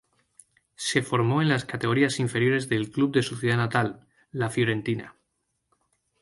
Se formó en las categorías inferiores del club de su ciudad natal, la Fiorentina.